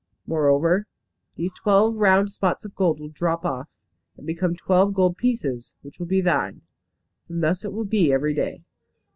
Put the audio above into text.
Moreover, these twelve round spots of gold will drop off, and become twelve gold pieces, which will be thine. And thus it will be every day.